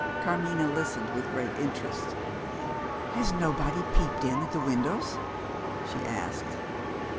Carmina listened with great interest: "Has nobody peeped in at the windows?" she asked.